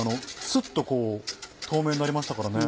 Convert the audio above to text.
スッとこう透明になりましたからね。